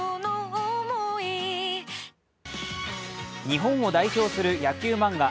日本を代表する野球漫画